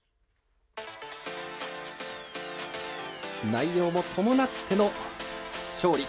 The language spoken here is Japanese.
内容も伴っての勝利。